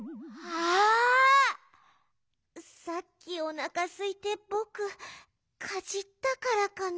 さっきおなかすいてぼくかじったからかな？